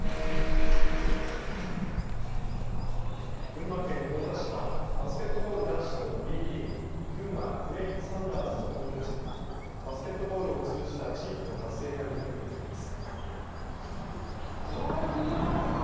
群馬県太田市はバスケットボール男子のＢリーグ、群馬クレインサンダーズの本拠地でバスケットボールを通じた地域の活性化に取り組んでいます。